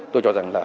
tôi cho rằng là